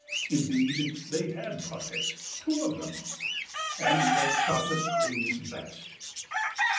Indeed, they had pockets two of them! And he liked chocolate creams best.